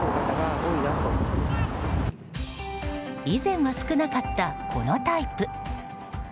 以前は少なかったこのタイプ。